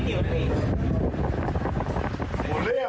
ใครมาเก่งพูดอะไร